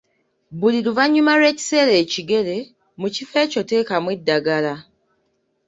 Buli luvanyuma lw‘ekiseera ekigere, mu kifo ekyo teekamu eddagala